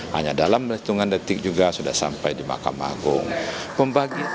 hanya dalam hitungan detik juga sudah sampai di mahkamah agung